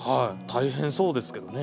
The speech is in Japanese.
大変そうですけどね。